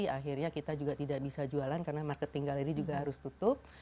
akhirnya kita juga tidak bisa jualan karena marketing galeri juga harus tutup